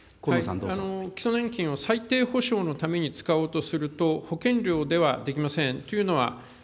基礎年金を最低保障のために使おうとすると、保険料ではできません。